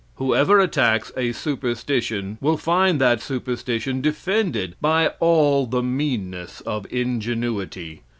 Whoever attacks a superstition will find that superstition defended by all the meanness of ingenuity.